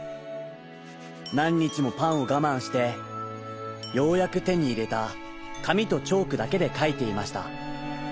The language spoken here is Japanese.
なんにちもパンをがまんしてようやくてにいれたかみとチョークだけでかいていました。